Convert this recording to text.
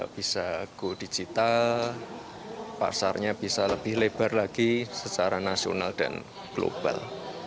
bisa go digital pasarnya bisa lebih lebar lagi secara nasional dan global